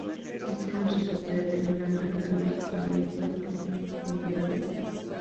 Este suceso fue determinante en cambios de toda índole en Tierradentro.